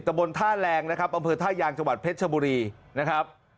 บนท่าแรงนะครับอำเภอท่ายางจังหวัดเพชรชบุรีนะครับ